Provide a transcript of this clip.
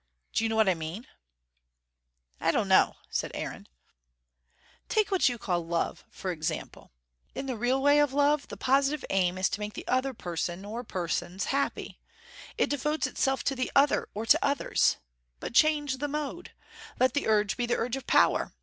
Do you know what I mean?" "I don't know," said Aaron. "Take what you call love, for example. In the real way of love, the positive aim is to make the other person or persons happy. It devotes itself to the other or to others. But change the mode. Let the urge be the urge of power.